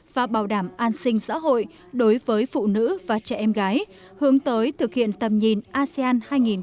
và bảo đảm an sinh xã hội đối với phụ nữ và trẻ em gái hướng tới thực hiện tầm nhìn asean hai nghìn hai mươi năm